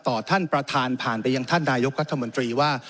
ท่านประธานผ่านไปยังท่านนายกรัฐมนตรีว่า